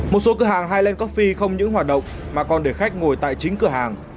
một số cửa hàng ireland coffee không những hoạt động mà còn để khách ngồi tại chính cửa hàng